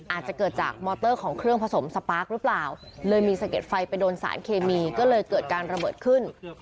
อาจจะเกิดจากมอเตอร์ของเครื่องผสมสปาร์คหรือเปล่าเลยมีสะเด็ดไฟไปโดนสารเคมีก็เลยเกิดการระเบิดขึ้น